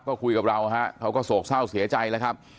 ก็คุยกับเราฮะเขาก็โศกเศร้าเสียใจแล้วครับ